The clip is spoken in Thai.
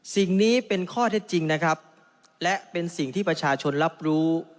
สิ่งนี้เป็นข้อเท็จจริงนะครับและเป็นสิ่งที่ประชาชนรับรู้